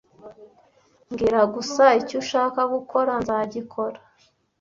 Mbwira gusa icyo ushaka gukora nzagikora.